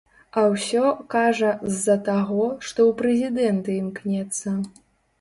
А ўсё, кажа, з-за таго, што ў прэзідэнты імкнецца.